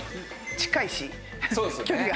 近いし距離が。